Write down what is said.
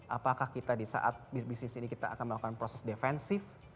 apakah kita di saat bisnis ini kita akan melakukan proses defensif